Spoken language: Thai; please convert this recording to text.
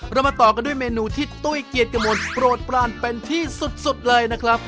มาต่อกันด้วยเมนูที่ตุ้ยเกียรติกระมวลโปรดปรานเป็นที่สุดเลยนะครับ